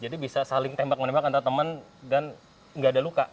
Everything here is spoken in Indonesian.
jadi bisa saling tembak menembak antar teman dan nggak ada luka